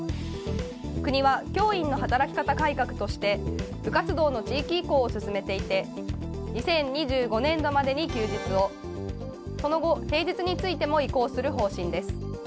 国は教員の働き方改革として部活動の地域移行を進めていて２０２５年度までに休日をその後、平日についても移行する方針です。